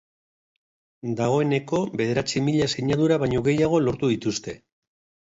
Dagoeneko bederatzi mila sinadura baino gehiago lortu dituzte.